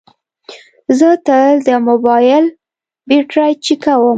زه تل د موبایل بیټرۍ چیکوم.